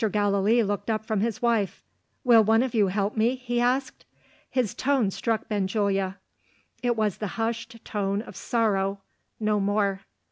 Gallilee looked up from his wife. "Will one of you help me?" he asked. His tone struck Benjulia. It was the hushed tone of sorrow no more.